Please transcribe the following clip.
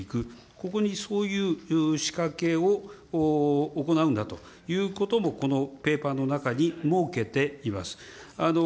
ここにそういう仕掛けを行うんだということも、このペーパーの中に設けています。